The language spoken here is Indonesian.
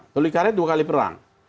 tolikara dua kali perang